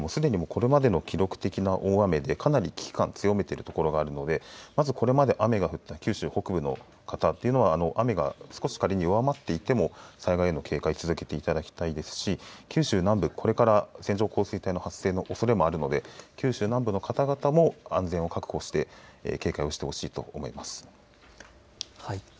気象庁、取材していてもこれまでの記録的な大雨でかなり危機感を強めている所があるのでまずこれまで雨が降った九州北部の方、雨が少し仮に弱まっていても災害への警戒、続けていただきたいですし九州南部、これから線状降水帯の発生のおそれもあるので九州南部の方々も安全を確保して警戒をしてほしいと思います。